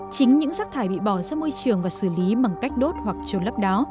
chính những rắc thải bị bỏ ra môi trường và xử lý bằng cách đốt hoặc trồn lấp đó